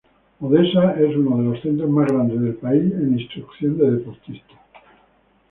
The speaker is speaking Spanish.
Odesa es uno de los centros más grandes del país en instrucción de deportistas.